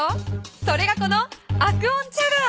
それがこのアクオンチャガー！